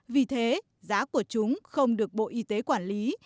vì thế giá của chúng không được bộ y tế quản lý